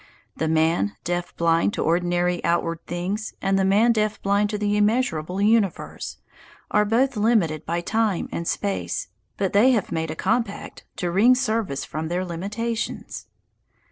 The man deaf blind to ordinary outward things, and the man deaf blind to the immeasurable universe, are both limited by time and space; but they have made a compact to wring service from their limitations.